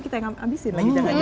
kita yang ambisin